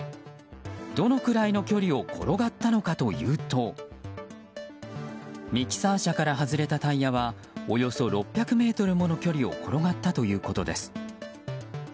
どのくらいの距離を転がったのかというとミキサー車から外れたタイヤはおよそ６００ｍもの距離を転がったということです。